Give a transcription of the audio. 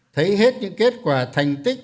thấy hết những kết quả thành tích